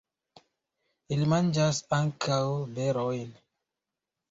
Ili manĝas ankaŭ berojn.